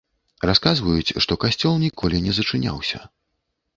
Расказваюць, што касцёл ніколі не зачыняўся.